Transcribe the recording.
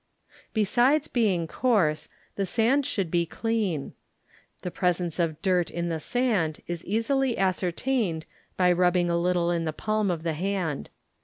Besides being coarse, the sand should be clean. The presence of dirt in the sand is easily ascertained by rubbing a little in the palm of the hand.